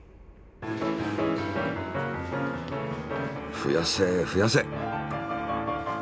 増やせ！増やせ！